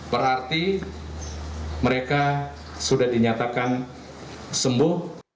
berarti mereka sudah dinyatakan sembuh